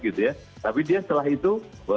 gitu ya tapi dia setelah itu